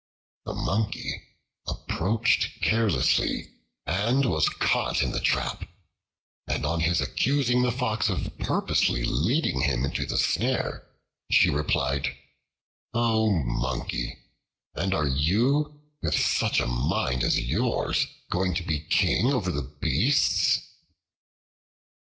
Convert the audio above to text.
The Monkey approached carelessly and was caught in the trap; and on his accusing the Fox of purposely leading him into the snare, she replied, "O Monkey, and are you, with such a mind as yours, going to be King over the Beasts?"